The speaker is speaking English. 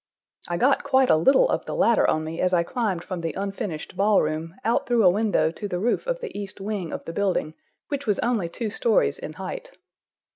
I got quite a little of the latter on me as I climbed from the unfinished ball room out through a window to the roof of the east wing of the building, which was only two stories in height.